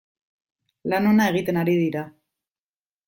Lan ona egiten ari dira.